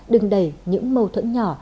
đừng đẩy những mâu thuẫn nhỏ